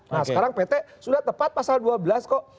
nah sekarang pt sudah tepat pasal dua belas kok